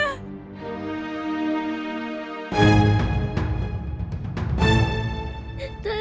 tante aku ada disini tante